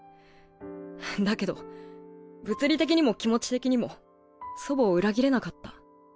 だけど物理的にも気持ち的にも祖母を裏切れなかった。